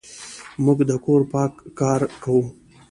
موږ د کور پاککاري کوو.